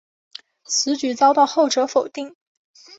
此举遭到后者否定。